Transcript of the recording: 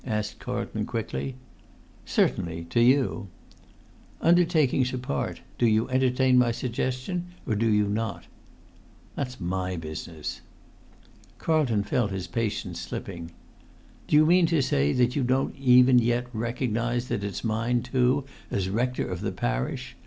asked Carlton quickly. "Certainly—to you." "Undertakings apart, do you entertain my suggestion, or do you not?" [Pg 112]"That's my business." Carlton felt his patience slipping. "Do you mean to say that you don't even yet recognise that it's mine too, as rector of the parish?